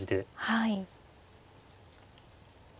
はい。